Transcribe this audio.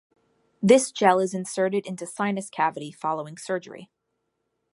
This gel is inserted into sinus cavity following surgery.